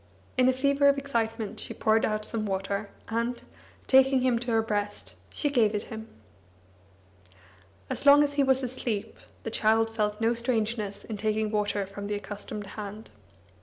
In a fever of excitement, she poured out some water, and, taking him to her breast, she gave it him. As long as he was asleep, the child felt no strangeness in taking water from the accustomed hand.